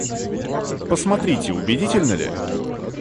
Посмотрите, убедительно ли?